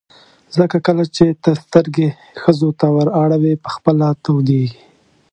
ځکه کله چې ته سترګې ښځو ته ور اړوې په خپله تودېږي.